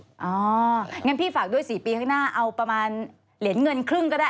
อย่างนั้นพี่ฝากด้วย๔ปีข้างหน้าเอาประมาณเหรียญเงินครึ่งก็ได้